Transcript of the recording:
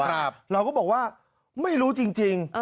เราก็บอกว่าไม่รู้จริง